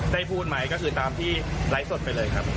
พูดไหมก็คือตามที่ไลฟ์สดไปเลยครับ